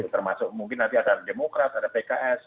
termasuk mungkin nanti ada demokrat ada pks